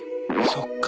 そっか。